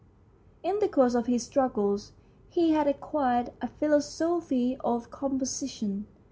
In the course of his struggles he had ac quired a philosophy of composition.